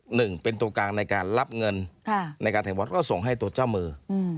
หนึ่งเป็นตัวกลางในการรับเงินในการแข่งวัดก็ส่งให้ตัวเจ้ามือ